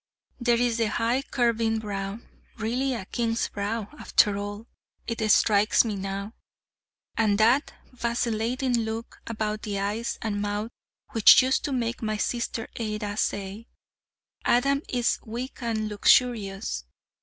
There is the high curving brow really a King's brow, after all, it strikes me now and that vacillating look about the eyes and mouth which used to make my sister Ada say: 'Adam is weak and luxurious.'